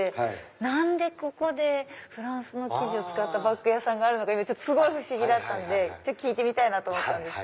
何でここでフランスの生地を使ったバッグ屋さんがあるのかすごい不思議だったんで聞いてみたいと思ったんです。